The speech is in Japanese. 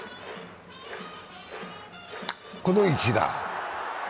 この一打。